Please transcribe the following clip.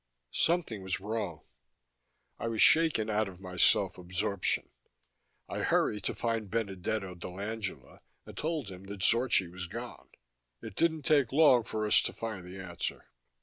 Something was wrong. I was shaken out of my self absorption; I hurried to find Benedetto dell'Angela, and told him that Zorchi was gone. It didn't take long for us to find the answer.